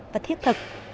và thiết thực